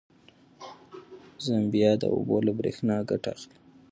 زمبیا د اوبو له برېښنا ګټه اخلي.